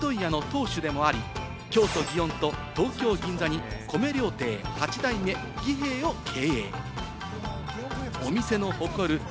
江戸時代から続く米問屋の当主でもあり、京都・祇園と東京・銀座に米料亭八代目儀兵衛を経営。